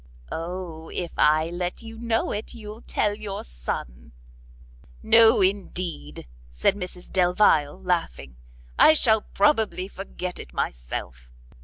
"O, if I let you know it, you'll tell your son." "No indeed," said Mrs Delvile laughing, "I shall probably forget it myself."